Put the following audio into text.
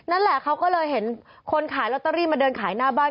นั่นแหละเขาก็เลยเห็นคนขายลอตเตอรี่มาเดินขายหน้าบ้าน